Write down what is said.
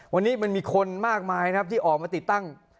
วันนี้มันมีคนมากมายนะครับที่ออกมาติดตั้ง